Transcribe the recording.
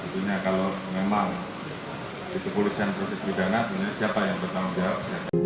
jika memang itu polisi yang proses didana jadi siapa yang bertanggung jawab